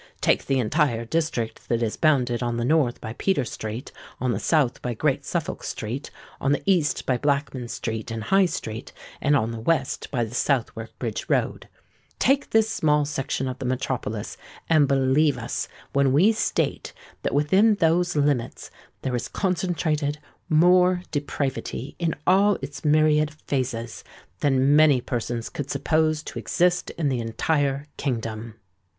Take the entire district that is bounded on the north by Peter Street, on the south by Great Suffolk Street, on the east by Blackman Street and High Street, and on the west by the Southwark Bridge Road,—take this small section of the metropolis, and believe us when we state that within those limits there is concentrated more depravity in all its myriad phases, than many persons could suppose to exist in the entire kingdom.